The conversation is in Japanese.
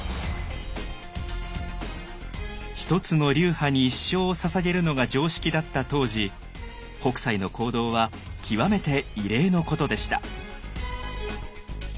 一つの流派に一生をささげるのが常識だった当時北斎の行動は極めて異例のことでした。